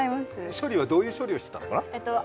処理はどういう処理をしていたのかな？